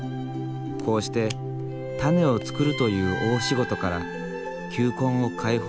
こうして種を作るという大仕事から球根を解放する。